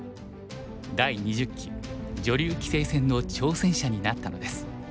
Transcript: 第２０期女流棋聖戦の挑戦者になったのです。